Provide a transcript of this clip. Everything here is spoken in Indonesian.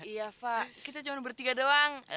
iya pak kita cuma bertiga doang